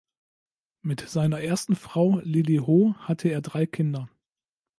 Mit seiner ersten Frau Lily Ho hatte er drei Kinder.